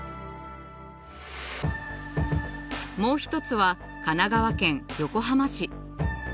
もう一つは神奈川県横浜市。